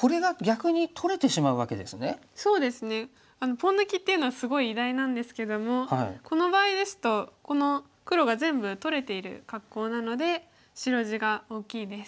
ポン抜きっていうのはすごい偉大なんですけどもこの場合ですとこの黒が全部取れている格好なので白地が大きいです。